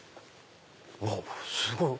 うわすごい！